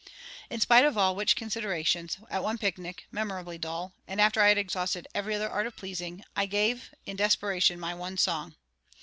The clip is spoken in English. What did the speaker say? In spite of all which considerations, at one picnic, memorably dull, and after I had exhausted every other art of pleasing, I gave, in desperation, my one song.